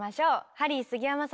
ハリー杉山さんです。